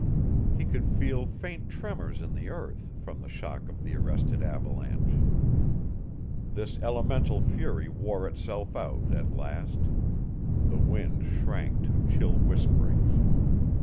He could feel faint tremors in the earth from the shock of the arrested avalanche. This elemental fury wore itself out at last. The wind shrank to chill whisperings.